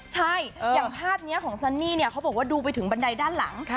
ใช่อย่างภาพนี้ของซันนี่เนี่ยเขาบอกว่าดูไปถึงบันไดด้านหลัง